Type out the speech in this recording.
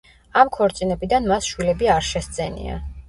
ამ ქორწინებიდან მას შვილები არ შესძენია.